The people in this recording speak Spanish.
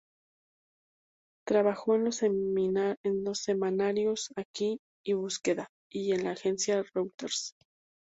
Trabajó en los semanarios "Aquí" y "Búsqueda" y en la agencia Reuters.